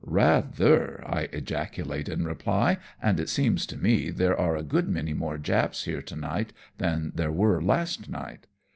" Eather !" I ejaculate in reply ;" and it seems to me there are a good many more Japs here to night than there were last night."